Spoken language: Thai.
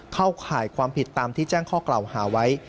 เข้าข่ายความผิดตามที่แจ้งข้อกล่าวหาไว้